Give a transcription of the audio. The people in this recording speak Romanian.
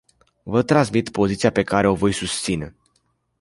Vă transmit poziția pe care o voi susține.